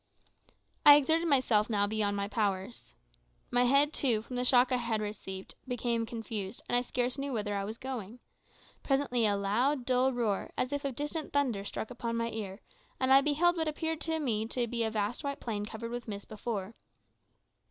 I exerted myself now beyond my powers. My head, too, from the shock I had received, became confused, and I scarce knew whither I was going. Presently a loud, dull roar, as if of distant thunder, struck upon my ear, and I beheld what appeared to me to be a vast white plain covered with mist before.